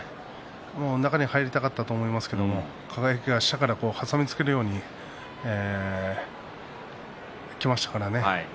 中に入りたかったと思いますけども輝が下から挟みつけるようにきましたからね。